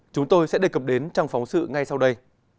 chúng tôi sẽ đề cập đến trong phóng sự ngay sau đây